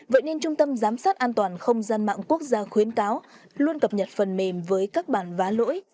vậy nên trung tâm giám sát an toàn không gian mạng quốc gia khuyến cáo luôn cập nhật phần mềm với các bản vá lỗi